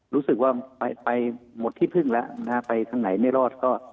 รู้สึกว่าไปหมดที่พึ่งแล้วนะฮะไปทางไหนไม่รอดก็